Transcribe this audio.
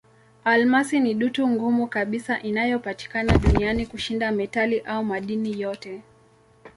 Almasi ni dutu ngumu kabisa inayopatikana duniani kushinda metali au madini yote.